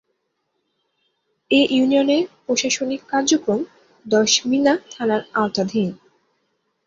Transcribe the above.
এ ইউনিয়নের প্রশাসনিক কার্যক্রম দশমিনা থানার আওতাধীন।